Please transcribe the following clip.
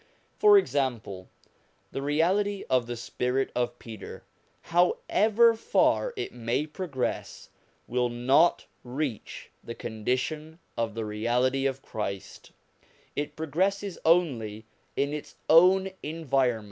For example, the reality of the spirit of Peter, however far it may progress, will not reach to the condition of the Reality of Christ ; it pro gresses only in its own environment.